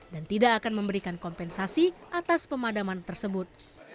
dan tidak akan memberikan kompensasi atas pemadaman tersebut